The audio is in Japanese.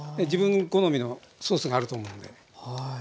自分好みのソースがあると思うんで。